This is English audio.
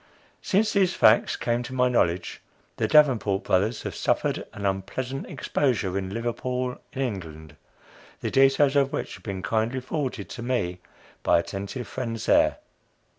Since these facts came to my knowledge, the Davenport Brothers have suffered an unpleasant exposure in Liverpool, in England, the details of which have been kindly forwarded to me by attentive friends there.